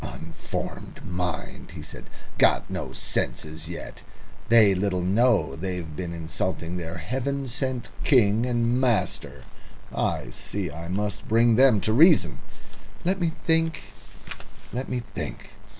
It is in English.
"Unformed mind!" he said. "Got no senses yet! They little know they've been insulting their heaven sent king and master. I see I must bring them to reason. Let me think let me think."